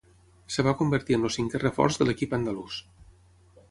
Es va convertir en el cinquè reforç de l'equip andalús.